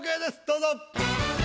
どうぞ。